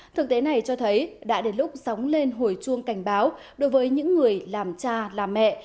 thực tế này cho thấy đã đến lúc sóng lên hồi chuông cảnh báo đối với những người làm cha làm mẹ